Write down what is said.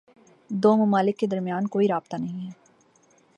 دو ممالک کے درمیان کوئی رابطہ نہیں ہے